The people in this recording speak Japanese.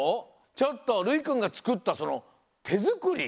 ちょっとるいくんがつくったそのてづくり？